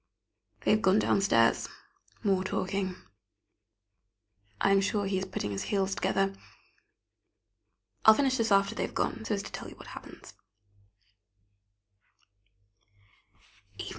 They have gone downstairs. More talking I am sure he is putting his heels together. I'll finish this after they have gone, so as to tell you what happens.